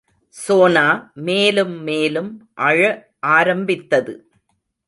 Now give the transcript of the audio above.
சோனா மேலும் மேலும் அழ ஆரம்பித்தது.